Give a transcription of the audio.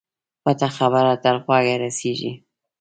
پټه خبره تر غوږه رسېږي.